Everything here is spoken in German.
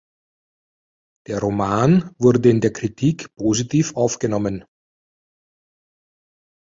Der Roman wurde in der Kritik positiv aufgenommen.